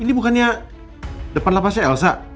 ini bukannya depan lapasnya elsa